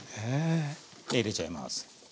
入れちゃいます。